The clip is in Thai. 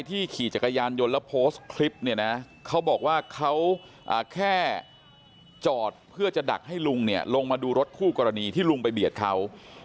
ขี่จักรยานยนต์แล้วโพสต์คลิปเนี่ยนะเขาบอกว่าเขาแค่จอดเพื่อจะดักให้ลุงเนี่ยลงมาดูรถคู่กรณีที่ลุงไปเบียดเขา